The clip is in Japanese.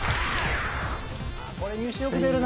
これ入試よく出るな。